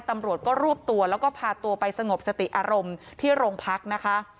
ตำรวจก็รวบตัวแล้วก็พาตัวไปสงบสติอารมณ์ที่โรงพักนะคะ